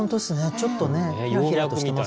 ちょっとねひらひらとしてますよね。